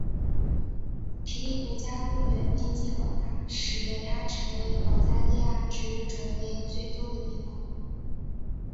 皮林国家公园面积广大使得它成为保加利亚植物种类最多的地方。